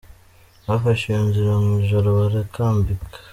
Bafashe iyo nzira mu ijoro barakambika.